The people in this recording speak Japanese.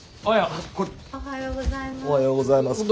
おはようございます。